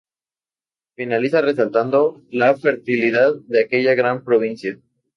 Finaliza resaltando la fertilidad de aquella gran provincia.